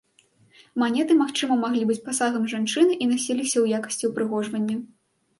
Манеты магчыма маглі быць пасагам жанчыны, і насіліся ў якасці ўпрыгожвання.